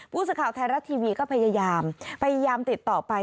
ผู้สื่อข่าวไทยรัฐทีวีก็พยายามพยายามติดต่อไป